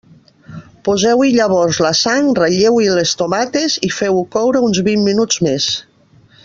Poseu-hi llavors la sang, ratlleu-hi les tomates i feu-ho coure uns vint minuts més.